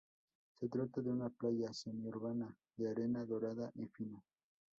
Se trata de una playa semi-urbana de arena dorada y fina.